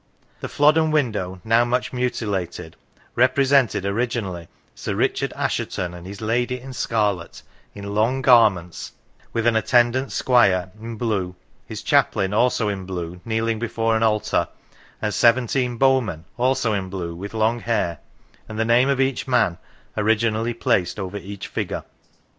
The Flodden window, now much mutilated, represented originally " Sir Richard Asshe ton and his lady in scarlet, in long garments, with an 72 Till the Time of Leland attendant squire in blue, his chaplain also in blue kneeling before an altar, and seventeen bowmen also in blue with long hair, and the name of each man originally placed over each figure.